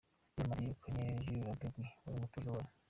Real Madrid yirukanye Julen Lopetegui wari umutoza wayo.